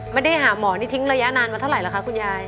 ไม่ได้หาหมอนี่ทิ้งระยะนานมาเท่าไหรอคะคุณยาย